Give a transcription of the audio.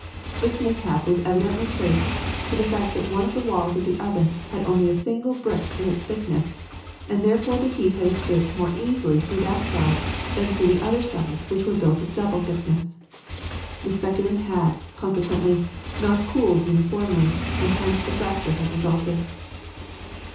This mishap was eventually traced to the fact that one of the walls of the oven had only a single brick in its thickness, and that therefore the heat had escaped more easily through that side than through the other sides which were built of double thickness. The speculum had, consequently, not cooled uniformly, and hence the fracture had resulted.